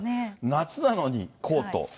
夏なのにコート。